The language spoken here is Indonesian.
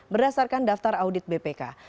berdasarkan daftar audit bpk